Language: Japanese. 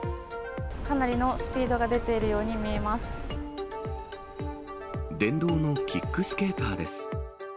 かなりのスピードが出ている電動のキックスケーターです。